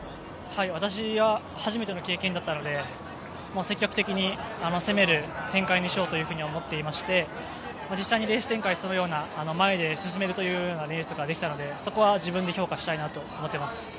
私は初めての経験だったので、積極的に攻める展開にしようと思っていまして、実際にレース展開、そのような前で進めるレースというのができたのでそこは自分で評価したいなと思っています。